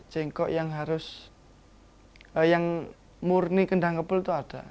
cengkok yang harus yang murni kendang kempul itu ada